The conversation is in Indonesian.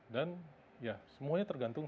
dan ya semuanya tergantung